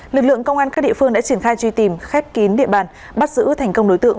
lực lượng công an các địa phương đã triển khai truy tìm khép kín địa bàn bắt giữ thành công đối tượng